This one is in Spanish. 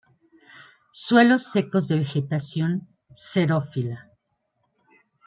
Suelos secos de vegetación xerófila.